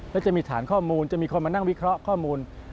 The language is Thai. แล้วจะมีฐานข้อมูลจะมีคนมานั่งวิเคราะห์ข้อมูล